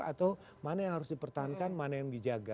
atau mana yang harus dipertahankan mana yang dijaga